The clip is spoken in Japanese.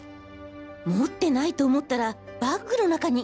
持ってないと思ったらバッグの中に。